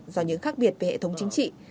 do những khác biệt về hệ thống chính trị